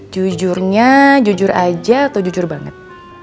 jujurnya jujur aja atau jujur banget